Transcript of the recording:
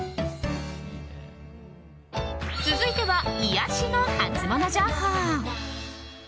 続いては、癒やしのハツモノ情報。